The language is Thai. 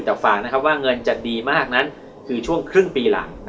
จะฝากว่าเงินจะดีมากนั้นคือช่วงครึ่งปีหลัง